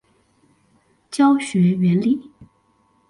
教學原理